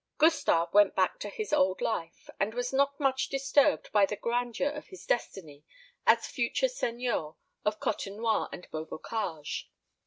Gustave went back to his old life, and was not much disturbed by the grandeur of his destiny as future seigneur of Côtenoir and Beaubocage.